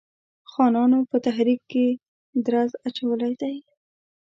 خانانو په تحریک کې درز اچولی دی.